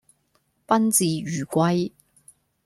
賓至如歸